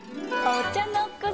お茶の子